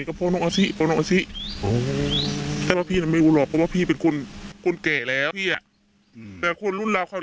คุยเปล่าว่าพี่เป็นตัวทางหรอครับ